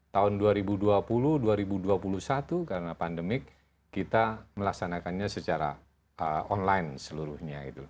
tahun dua ribu dua puluh dua ribu dua puluh satu karena pandemik kita melaksanakannya secara online seluruhnya